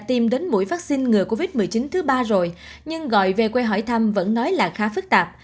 tìm đến mũi vắc xin ngừa covid một mươi chín thứ ba rồi nhưng gọi về quê hỏi thăm vẫn nói là khá phức tạp